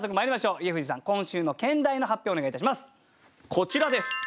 こちらです。